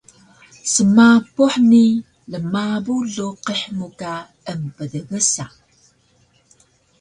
Smapuh ni lmabu luqih mu ka emptgsa